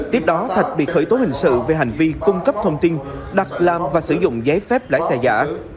tiếp đó thạch bị khởi tố hình sự về hành vi cung cấp thông tin đặt làm và sử dụng giấy phép lái xe giả